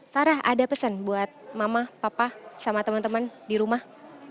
farah ada pesan buat mama papa sama teman teman di rumah